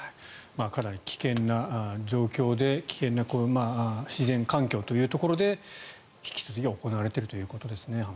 かなり危険な状況で危険な自然環境というところで引き続き行われているということですね。